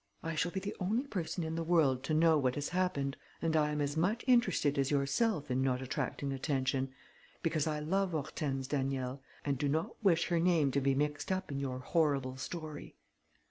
I shall be the only person in the world to know what has happened. And I am as much interested as yourself in not attracting attention, because I love Hortense Daniel and do not wish her name to be mixed up in your horrible story."